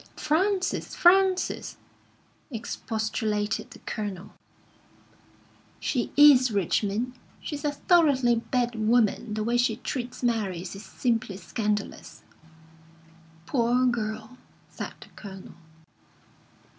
"Frances, Frances!" expostulated the Colonel. "She is, Richmond. She's a thoroughly bad woman. The way she treats Mary is simply scandalous." "Poor girl!" said the Colonel.